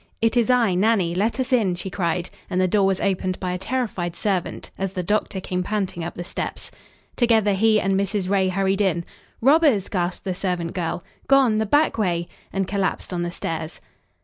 "It is I, Nannie. Let us in," she cried, and the door was opened by a terrified servant, as the doctor came panting up the steps. Together he and Mrs. Ray hurried in. "Robbers!" gasped the servant girl "Gone the back way!" and collapsed on the stairs.